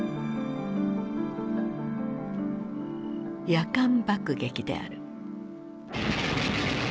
夜間爆撃である。